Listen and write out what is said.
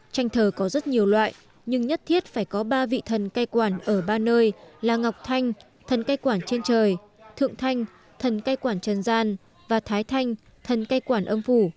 tranh thờ có rất nhiều loại nhưng nhất thiết phải có ba vị thần cây quản ở ba nơi là ngọc thanh thần cây quản trên trời thượng thanh thần cây quản trần gian và thái thanh thần cây quản âm phủ